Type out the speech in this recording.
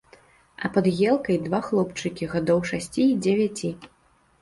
А пад елкай два хлопчыкі, гадоў шасці і дзевяці.